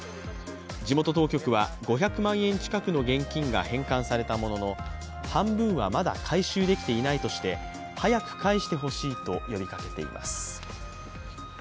地元当局は５００万円近くの現金が返還されたものの半分はまだ回収できていないとして早く返してほしいと呼びかけています。